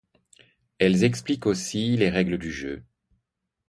Elles expliquent aussi les règles du jeu.